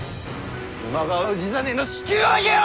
今川氏真の首級を上げよ！